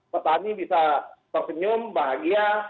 petani bisa tersenyum bahagia